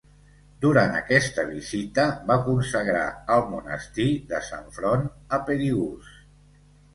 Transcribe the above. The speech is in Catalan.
Durant aquesta visita va consagrar el monestir de Sant Front a Perigús.